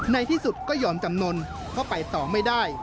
ในที่สุดก็ยอมจำนวนก็ไปต่อไม่ได้